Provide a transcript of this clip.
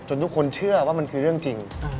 ทุกคนเชื่อว่ามันคือเรื่องจริง